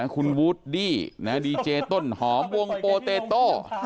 คุณวูดดี้ดีเจต้นหอมวงโปเตโต้